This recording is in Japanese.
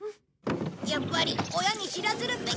やっぱり親に知らせるべきだよ。